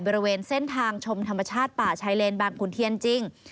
บริเวณเส้นทางชมธรรมชาติป่าชายเลนบางขุนเทียนจริง